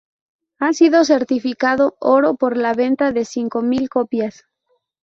Ha sido certificado Oro por la venta de cinco mil copias.